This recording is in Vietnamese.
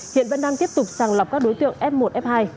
hiện vẫn đang tiếp tục sàng lọc các đối tượng f một f hai